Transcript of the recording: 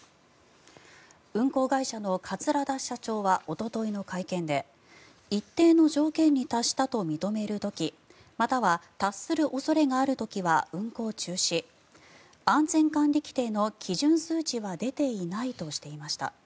運航会社の桂田社長はおとといの会見で一定の条件に達したと認める時または達する恐れがある時は運航中止安全管理規程の基準数値は出ていないとしていました。